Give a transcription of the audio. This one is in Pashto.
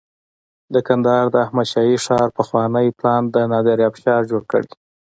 د کندهار د احمد شاهي ښار پخوانی پلان د نادر افشار جوړ کړی